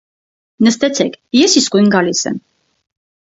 - Նստեցեք, ես իսկույն գալիս եմ: